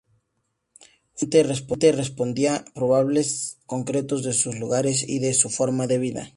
Fundamentalmente respondía a problemas concretos de sus lugares y de su forma de vida.